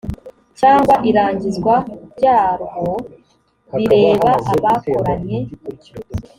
cyangwa irangizwa ryarwo bireba abakoranye